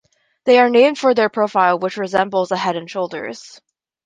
They are named for their profile which resembles a head and shoulders.